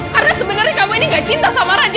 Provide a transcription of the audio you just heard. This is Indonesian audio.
karena sebenernya kamu ini gak cinta sama raja